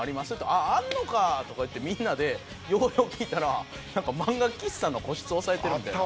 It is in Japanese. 「あああんのか！」とか言ってみんなでようよう聞いたらなんか漫画喫茶の個室押さえてるみたいな。